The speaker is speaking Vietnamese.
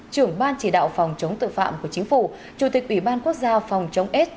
trưởng ban chỉ đạo phòng chống tội phạm của chính phủ chủ tịch ủy ban quốc gia phòng chống s